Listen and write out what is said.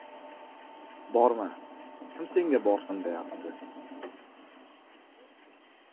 — Borma, kim senga borsin deyapti?